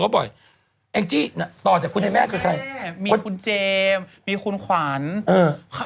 บ่อยแองจี้น่ะต่อจากคุณไอ้แม่คือใครมีคนคุณเจมส์มีคุณขวัญเออ